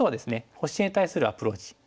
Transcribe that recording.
星に対するアプローチ。